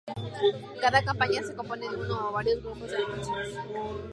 Cada campaña se compone de uno o varios grupos de anuncios.